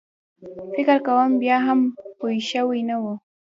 فکر کوم بیا هم پوی شوی نه و.